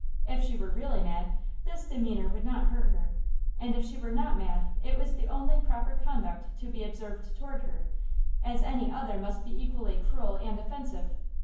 If she were really mad, this demeanor would not hurt her, and if she were not mad it was the only proper conduct to be observed toward her, as any other must be equally cruel and offensive.